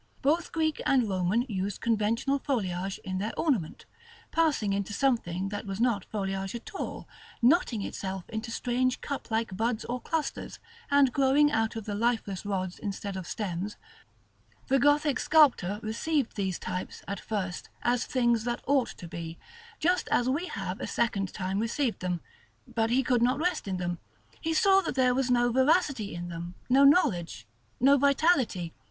Both Greek and Roman used conventional foliage in their ornament, passing into something that was not foliage at all, knotting itself into strange cup like buds or clusters, and growing out of lifeless rods instead of stems; the Gothic sculptor received these types, at first, as things that ought to be, just as we have a second time received them; but he could not rest in them. He saw there was no veracity in them, no knowledge, no vitality.